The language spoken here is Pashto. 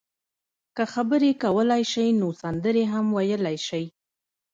که خبرې کولای شئ نو سندرې هم ویلای شئ.